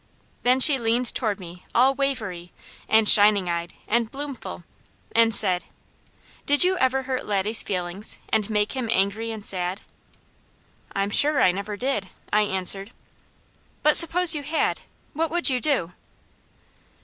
Then she leaned toward me all wavery, and shining eyed, and bloomful, and said: "Did you ever hurt Laddie's feelings, and make him angry and sad?" "I'm sure I never did," I answered. "But suppose you had! What would you do?"